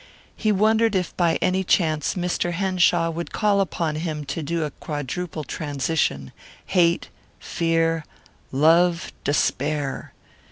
He wondered if by any chance Mr. Henshaw would call upon him to do a quadruple transition, hate, fear, love, despair.